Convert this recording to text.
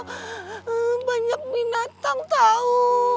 ya allah banyak binatang tau